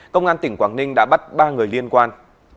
công an tỉnh quảng ninh đã bắt ba người liên quan